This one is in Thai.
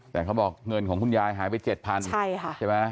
แต่เขาบอกเงินของคุณยายหายไป๗๐๐ใช่ไหม